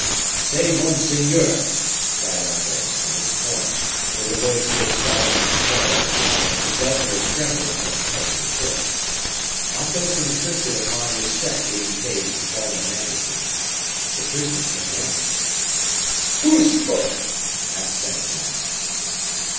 "Say monseigneur!" cried Athos, from his corner, with a voice so solemn and terrible, that the governor trembled from head to foot. Athos insisted upon respect being paid to fallen majesty. The prisoner turned round. "Who spoke?" asked Saint Mars.